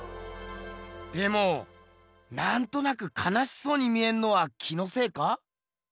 でもなんとなくかなしそうに見えんのは気のせいか？